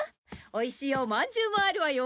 おいしいおまんじゅうもあるわよ。